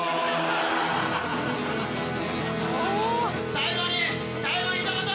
最後に最後に言いたいこと